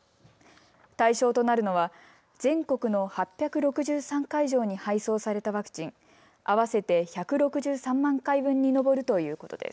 対象となるのは全国の８６３会場に配送されたワクチン、合わせて１６３万回分に上るということです。